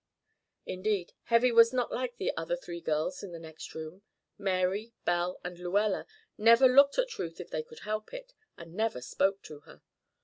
Indeed, Heavy was not like the other three girls in the next room. Mary, Belle and Lluella never looked at Ruth if they could help it, and never spoke to her.